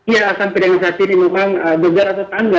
ya sampai dengan saat ini memang bekerja tetangga